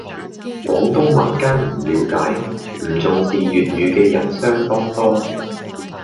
廣東民間唔了解、唔重視粵語嘅人相當多